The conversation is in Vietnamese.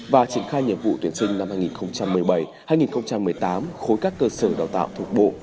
và triển khai nhiệm vụ tuyển sinh năm hai nghìn một mươi bảy hai nghìn một mươi tám khối các cơ sở đào tạo thuộc bộ